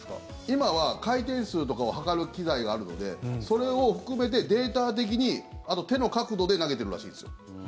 今は回転数とかを測る機材があるのでそれを含めてデータ的にあと手の角度で投げてるらしいですよ。